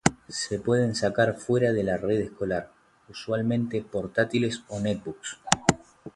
Se pueden sacar fuera de la red escolar, usualmente portátiles o netbooks